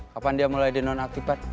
kapan dia mulai di non aktifat